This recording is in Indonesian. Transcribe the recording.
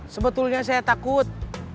sebetulnya saya takut